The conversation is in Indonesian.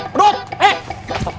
pedut jangan cari masalah pedut